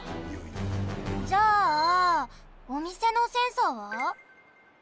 じゃあおみせのセンサーは？